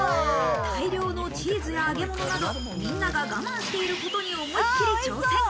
大量のチーズやベーコンなど、みんなが我慢していることに思い切り挑戦。